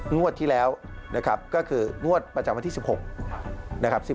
งวดที่แล้วนะครับก็คืองวดประจำวันที่๑๖นะครับ